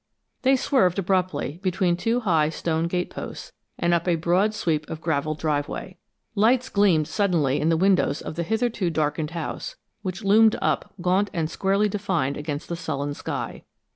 They swerved abruptly, between two high stone gateposts, and up a broad sweep of graveled driveway. Lights gleamed suddenly in the windows of the hitherto darkened house, which loomed up gaunt and squarely defined against the sullen sky.